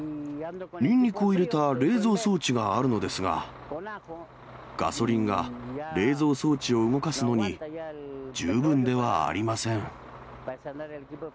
ニンニクを入れた冷蔵装置があるのですが、ガソリンが冷蔵装置を動かすのに十分ではありません。